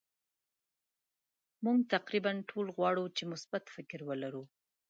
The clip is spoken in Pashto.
مونږ تقریبا ټول غواړو چې مثبت فکر ولرو.